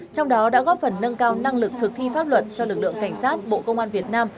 trong đó đã góp phần nâng cao năng lực thực thi pháp luật cho lực lượng cảnh sát bộ công an việt nam